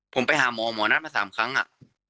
ผมไปหาหมอหมอนัดมา๓ครั้งอะ